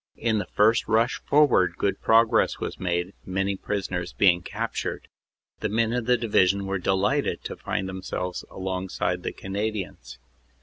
In the first rush forward good pro gress was made, many prisoners being captured. The men of the Division were delighted to find themselves alongside of the Canadians.